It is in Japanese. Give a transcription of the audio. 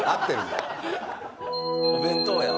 お弁当や。